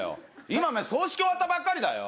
今、葬式終わったばかりだよ。